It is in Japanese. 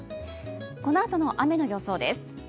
このあとの雨の予想です。